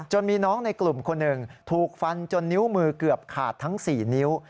มีน้องในกลุ่มคนหนึ่งถูกฟันจนนิ้วมือเกือบขาดทั้ง๔นิ้ว